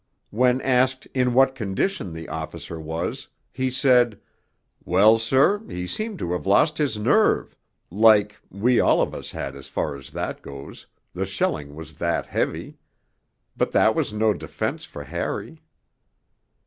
When asked 'in what condition' the officer was, he said, 'Well, sir, he seemed to have lost his nerve, like ... we all of us had as far as that goes, the shelling was that 'eavy.' But that was no defence for Harry.